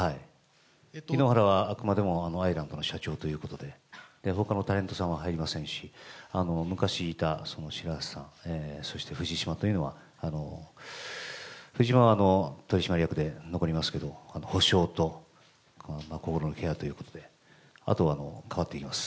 井ノ原はあくまでもアイランドの社長ということで、ほかのタレントさんは入りませんし、昔いた白波瀬さん、藤島というのは、藤島は取締役で残りますけれども、補償と心のケアということで、あとは代わっていきます。